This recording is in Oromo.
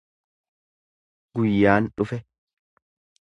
Guyyaan dhufe.